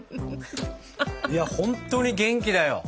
いやほんとに元気だよ。